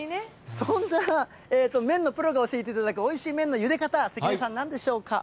そんな麺のプロに教えていただくおいしい麺のゆで方、関根さん、なんでしょうか。